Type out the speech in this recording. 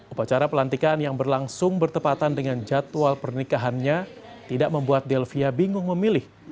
upacara pelantikan yang berlangsung bertepatan dengan jadwal pernikahannya tidak membuat delvia bingung memilih